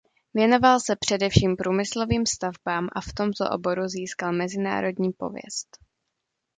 Věnoval se především průmyslovým stavbám a v tomto oboru získal mezinárodní pověst.